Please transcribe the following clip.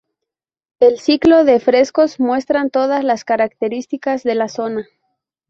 El ciclo de frescos muestran todas las características de la zona.